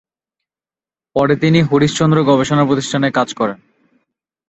পরে তিনি হরিশ চন্দ্র গবেষণা প্রতিষ্ঠানে কাজ করেন।